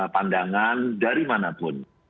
pandangan dari mana pun